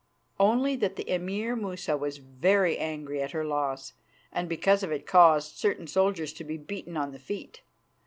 "Only that the Emir Musa was very angry at her loss and because of it caused certain soldiers to be beaten on the feet.